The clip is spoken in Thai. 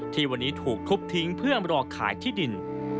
ที่วันนี้ถูกทุบทิ้งเพื่อรอขายที่ดิน